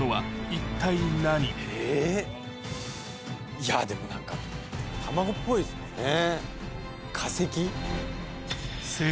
いやでも何か卵っぽいですもんね。